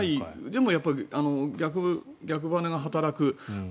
でもやっぱり逆ばねが働く。